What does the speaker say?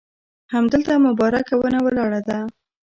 همدلته مبارکه ونه ولاړه ده.